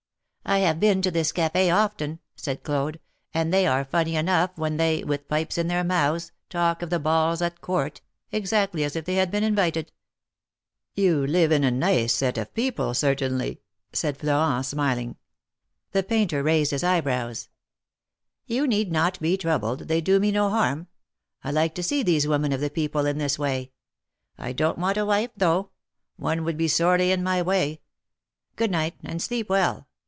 I have been to this caf6 often," said Claude, and they are funny enough when they, with pipes in their mouths, talk of the balls at Court, exactly as if they had been invited." ^^You live in a nice set of people, certainly," said Elorent, smiling. The Painter raised his eyebrows. '^You need not be troubled; they do me no harm. I like to see these women of the people in this way, I don't want a wife, though ; one would be sorely in my way. Good night, and sleep well.